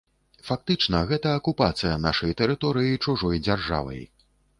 Фактычна, гэта акупацыя нашай тэрыторыі чужой дзяржавай.